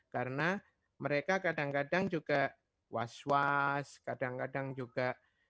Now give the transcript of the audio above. karena mereka kadang kadang juga was was kadang kadang juga